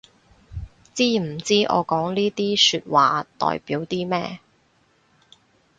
知唔知我講呢啲說話代表啲咩